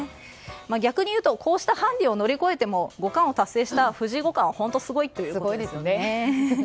逆に言うと、こうしたハンディを乗り越えても五冠を達成した藤井五冠は本当にすごいということですよね。